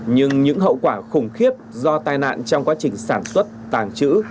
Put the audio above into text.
nhưng những hậu quả khủng khiếp do tai nạn trong quá trình sản xuất tàng trữ